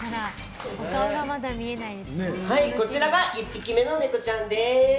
こちらが１匹目のネコちゃんです。